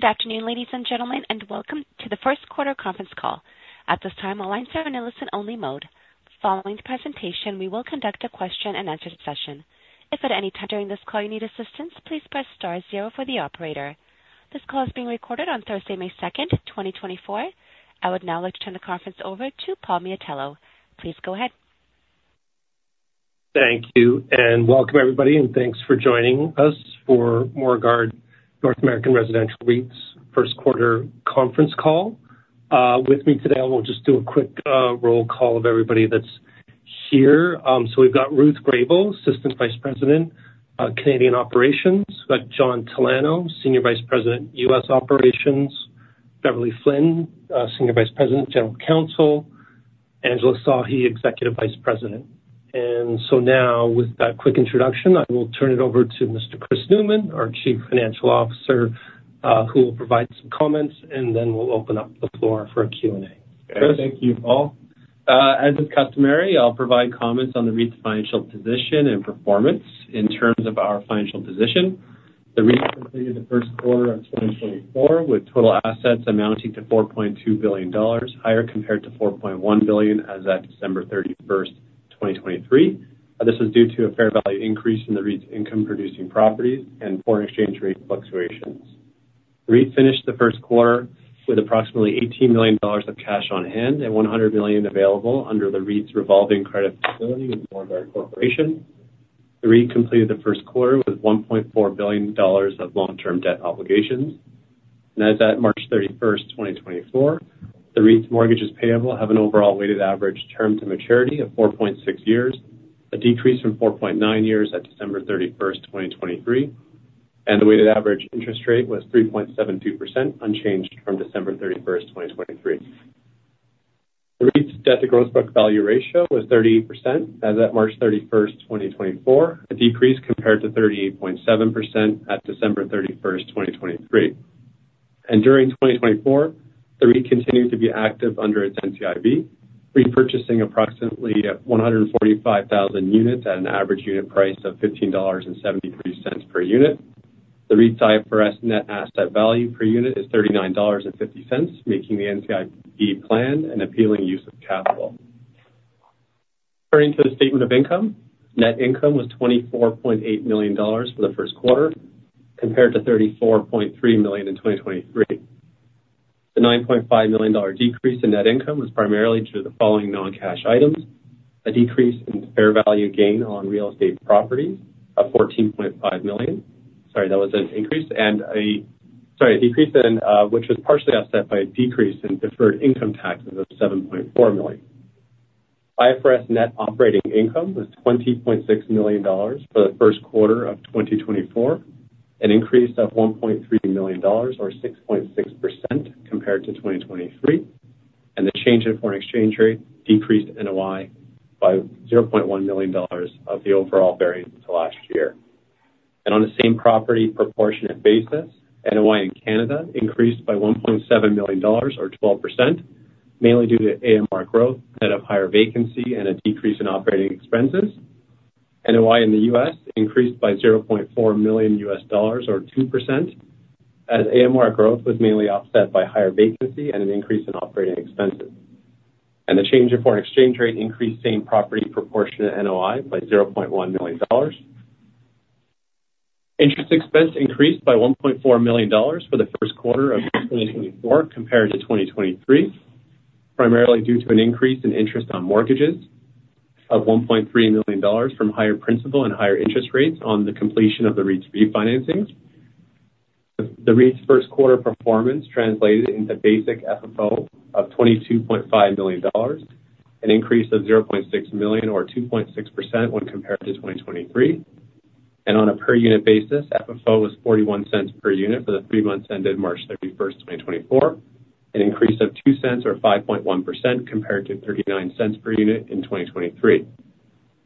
Good afternoon, ladies and gentlemen, and welcome to the first quarter conference call. At this time, all lines are in listen-only mode. Following the presentation, we will conduct a question-and-answer session. If at any time during this call you need assistance, please press star zero for the operator. This call is being recorded on Thursday, May 2nd, 2024. I would now like to turn the conference over to Paul Miatello. Please go ahead. Thank you, and welcome, everybody, and thanks for joining us for Morguard North American Residential REIT's first quarter conference call. With me today, I will just do a quick roll call of everybody that's here. So we've got Ruth Grube, Assistant Vice President, Canadian Operations. We've got John Talano, Senior Vice President, U.S. Operations. Beverley Flynn, Senior Vice President, General Counsel. Angela Sahi, Executive Vice President. And so now, with that quick introduction, I will turn it over to Mr. Chris Newman, our Chief Financial Officer, who will provide some comments, and then we'll open up the floor for a Q&A. Chris? Okay. Thank you, Paul. As is customary, I'll provide comments on the REIT's financial position and performance in terms of our financial position. The REIT completed the first quarter of 2024 with total assets amounting to 4.2 billion dollars, higher compared to 4.1 billion as of December 31st, 2023. This was due to a fair value increase in the REIT's income-producing properties and foreign exchange rate fluctuations. The REIT finished the first quarter with approximately 18 million dollars of cash on hand and 100 million available under the REIT's revolving credit facility with Morguard Corporation. The REIT completed the first quarter with 1.4 billion dollars of long-term debt obligations. And as of March 31st, 2024, the REIT's mortgages payable have an overall weighted average term to maturity of 4.6 years, a decrease from 4.9 years at December 31st, 2023. The weighted average interest rate was 3.72%, unchanged from December 31st, 2023. The REIT's debt-to-gross book value ratio was 38% as of March 31st, 2024, a decrease compared to 38.7% at December 31st, 2023. During 2024, the REIT continued to be active under its NCIB, repurchasing approximately 145,000 units at an average unit price of 15.73 dollars per unit. The REIT's IFRS net asset value per unit is 39.50 dollars, making the NCIB plan an appealing use of capital. Turning to the statement of income, net income was 24.8 million dollars for the first quarter compared to 34.3 million in 2023. The 9.5 million dollar decrease in net income was primarily due to the following non-cash items: a decrease in fair value gain on real estate properties of 14.5 million - sorry, that was an increase - and a - sorry, a decrease in, which was partially offset by a decrease in deferred income taxes of 7.4 million. IFRS net operating income was 20.6 million dollars for the first quarter of 2024, an increase of 1.3 million dollars or 6.6% compared to 2023. The change in foreign exchange rate decreased NOI by 0.1 million dollars of the overall variance to last year. On the same property proportionate basis, NOI in Canada increased by 1.7 million dollars or 12%, mainly due to AMR growth ahead of higher vacancy and a decrease in operating expenses. NOI in the U.S. increased by CAD 0.4 million or 2%, as AMR growth was mainly offset by higher vacancy and an increase in operating expenses. The change in foreign exchange rate increased same property proportionate NOI by 0.1 million dollars. Interest expense increased by 1.4 million dollars for the first quarter of 2024 compared to 2023, primarily due to an increase in interest on mortgages of 1.3 million dollars from higher principal and higher interest rates on the completion of the REIT's refinancings. The REIT's first quarter performance translated into basic FFO of 22.5 million dollars, an increase of 0.6 million or 2.6% when compared to 2023. On a per-unit basis, FFO was 0.41 per unit for the three months ended March 31st, 2024, an increase of 0.02 or 5.1% compared to 0.39 per unit in 2023.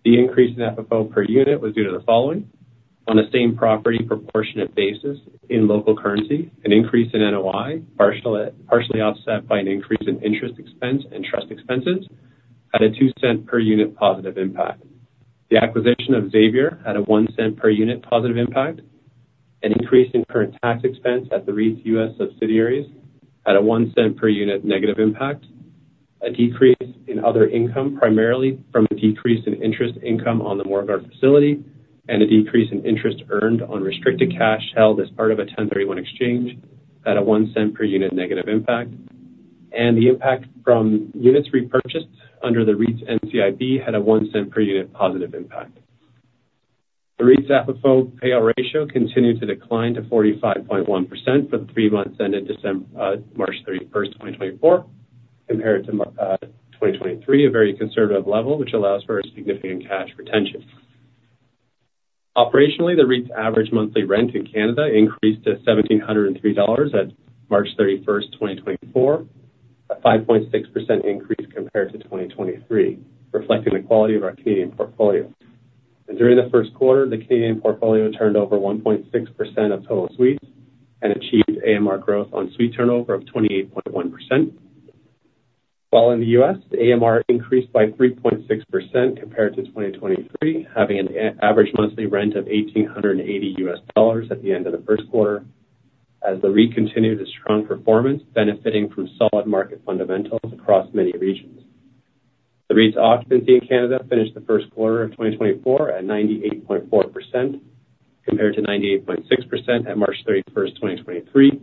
The increase in FFO per unit was due to the following: on the same property proportionate basis in local currency, an increase in NOI partially offset by an increase in interest expense and trust expenses had a 0.02 per unit positive impact. The acquisition of Xavier had a 0.01 per unit positive impact. An increase in current tax expense at the REIT's U.S. subsidiaries had a 0.01 per unit negative impact. A decrease in other income, primarily from a decrease in interest income on the Morguard facility and a decrease in interest earned on restricted cash held as part of a 1031 exchange had a 0.01 per unit negative impact. And the impact from units repurchased under the REIT's NCIB had a 0.01 per unit positive impact. The REIT's FFO payout ratio continued to decline to 45.1% for the three months ended March 31st, 2024, compared to 2023, a very conservative level which allows for significant cash retention. Operationally, the REIT's average monthly rent in Canada increased to 1,703 dollars at March 31st, 2024, a 5.6% increase compared to 2023, reflecting the quality of our Canadian portfolio. During the first quarter, the Canadian portfolio turned over 1.6% of total suite and achieved AMR growth on suite turnover of 28.1%. While in the U.S., the AMR increased by 3.6% compared to 2023, having an average monthly rent of $1,880 at the end of the first quarter, as the REIT continued its strong performance, benefiting from solid market fundamentals across many regions. The REIT's occupancy in Canada finished the first quarter of 2024 at 98.4% compared to 98.6% at March 31st, 2023.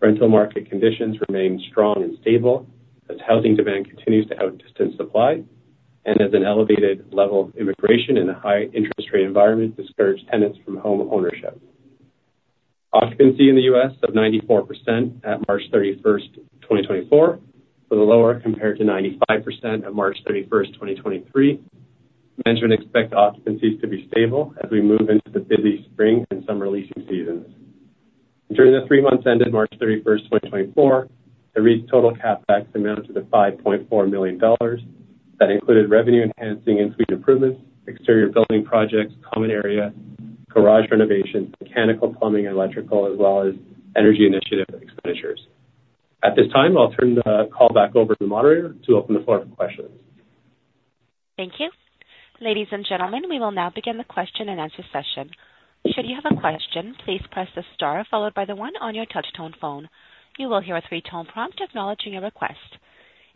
Rental market conditions remain strong and stable as housing demand continues to outdistance supply and as an elevated level of immigration in a high-interest rate environment discourages tenants from home ownership. Occupancy in the U.S. of 94% at March 31st, 2024, was lower compared to 95% at March 31st, 2023. Management expects occupancies to be stable as we move into the busy spring and summer leasing seasons. During the three months ended March 31st, 2024, the REIT's total capex amounted to 5.4 million dollars that included revenue-enhancing in-suite improvements, exterior building projects, common area, garage renovations, mechanical, plumbing, electrical, as well as energy initiative expenditures. At this time, I'll turn the call back over to the moderator to open the floor for questions. Thank you. Ladies and gentlemen, we will now begin the question-and-answer session. Should you have a question, please press the star followed by the 1 on your touchtone phone. You will hear a three-tone prompt acknowledging your request.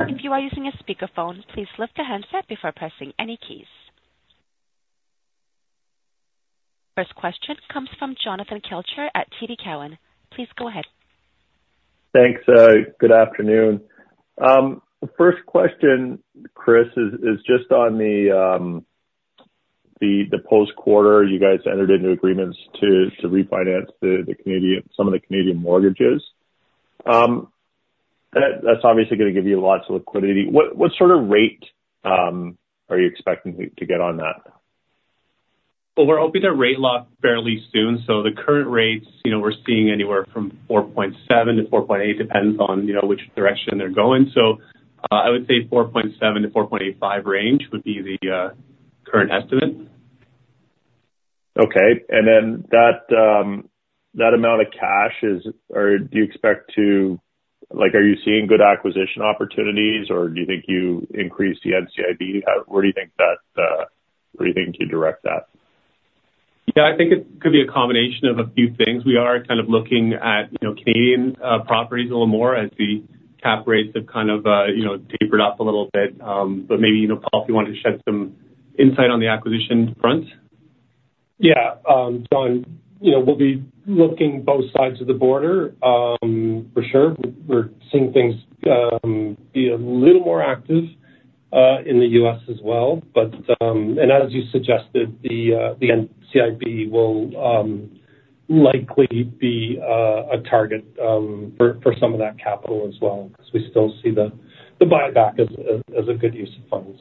If you are using a speakerphone, please lift the handset before pressing any keys. First question comes from Jonathan Kelcher at TD Cowen. Please go ahead. Thanks. Good afternoon. The first question, Chris, is just on the post-quarter you guys entered into agreements to refinance some of the Canadian mortgages. That's obviously going to give you lots of liquidity. What sort of rate are you expecting to get on that? Well, we're hoping to rate lock fairly soon. So the current rates, you know, we're seeing anywhere from 4.7-4.8, depends on, you know, which direction they're going. So, I would say 4.7-4.85 range would be the current estimate. Okay. And then that, that amount of cash is or do you expect to like, are you seeing good acquisition opportunities, or do you think you increased the NCIB? How where do you think that, where do you think you'd direct that? Yeah. I think it could be a combination of a few things. We are kind of looking at, you know, Canadian properties a little more as the cap rates have kind of, you know, tapered off a little bit. But maybe, you know, Paul, if you wanted to shed some insight on the acquisition front. Yeah. John, you know, we'll be looking both sides of the border, for sure. We're seeing things be a little more active in the U.S. as well. But as you suggested, the NCIB will likely be a target for some of that capital as well because we still see the buyback as a good use of funds.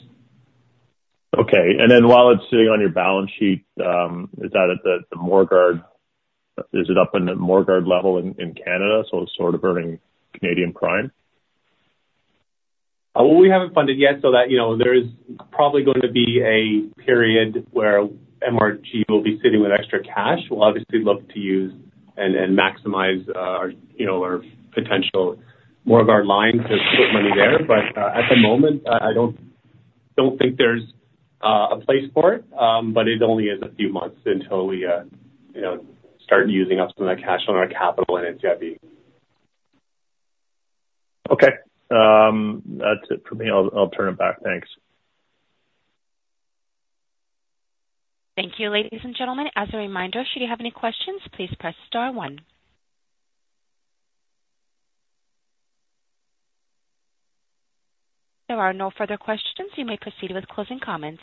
Okay. And then while it's sitting on your balance sheet, is that at the Morguard level in Canada? So it's sort of earning Canadian prime? Well, we haven't funded yet, so that, you know, there is probably going to be a period where MRG will be sitting with extra cash. We'll obviously look to use and maximize, our, you know, our potential more of our line to put money there. But, at the moment, I don't think there's a place for it. But it only is a few months until we, you know, start using up some of that cash on our capital in NCIB. Okay. That's it from me. I'll, I'll turn it back. Thanks. Thank you, ladies and gentlemen. As a reminder, should you have any questions, please press star 1. There are no further questions. You may proceed with closing comments.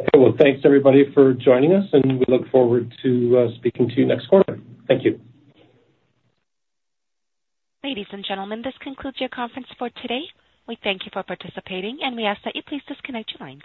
Okay. Well, thanks, everybody, for joining us, and we look forward to speaking to you next quarter. Thank you. Ladies and gentlemen, this concludes your conference for today. We thank you for participating, and we ask that you please disconnect your lines.